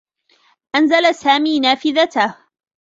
أنزل سامي نافذته.